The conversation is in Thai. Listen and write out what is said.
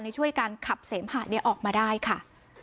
ช่วยการขับเสมหะออกมาได้ค่ะ